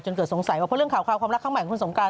เกิดสงสัยว่าเพราะเรื่องข่าวความรักครั้งใหม่ของคุณสงการ